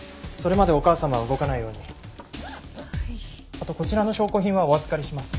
あとこちらの証拠品はお預かりします。